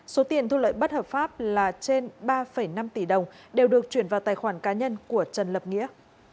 số tiền thu lợi bất hợp pháp là trên ba năm tỷ đồng đều được chuyển vào tài khoản cá nhân của trần lập nghĩa